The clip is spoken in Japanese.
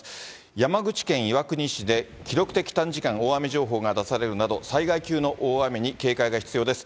山口県岩国市で記録的短時間大雨情報が出されるなど、災害級の大雨に警戒が必要です。